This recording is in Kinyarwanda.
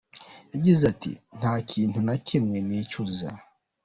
Yagize ati “Nta kintu na kimwe nicuza.